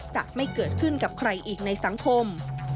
จะไม่เกิดขึ้นกับใครอีกในสังคม